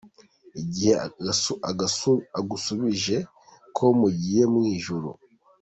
Igihe agusubije ko mugiye mu ijuru